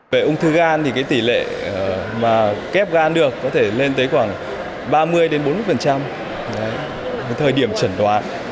về ung thư gan thì tỷ lệ ghép gan được có thể lên tới khoảng ba mươi bốn mươi thời điểm trần đoán